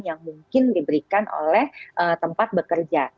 yang mungkin diberikan oleh tempat bekerja